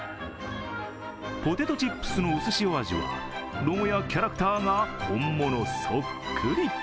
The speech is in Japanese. ポテトチップスのうすしお味やロゴやキャラクターが本物そっくり。